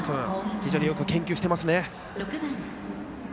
非常によく研究していますね。